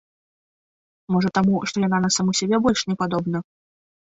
Можа таму, што яна на саму сябе больш не падобна?